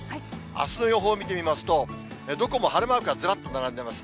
あすの予報を見てみますと、どこも晴れマークがずらっと並んでます。